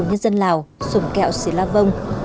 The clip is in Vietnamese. nhân dân lào sổng kẹo sĩ la vông